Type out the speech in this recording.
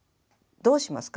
どうしますか？